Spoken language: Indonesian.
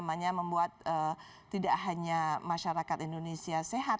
membuat tidak hanya masyarakat indonesia sehat